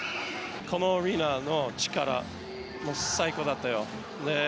このアリーナの力最高だったよ。